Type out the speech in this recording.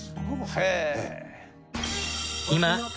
へえ！